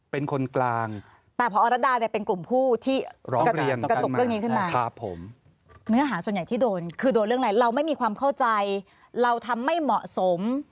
เป็นคนกลางมาพอรดาแต่เป็นกลุ่มผู้ที่ร้องเรียนว่าคราวผมหนื้อหาส่วนใหญ่ที่โดนคือโดนเรื่องอะไรเราไม่มีความเข้าใจเราทำไม่เหมาะสม